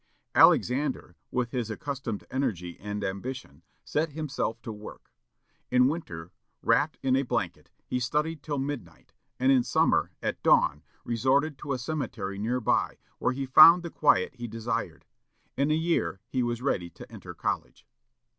Alexander, with his accustomed energy and ambition, set himself to work. In winter, wrapt in a blanket, he studied till midnight, and in summer, at dawn, resorted to a cemetery near by, where he found the quiet he desired. In a year he was ready to enter college.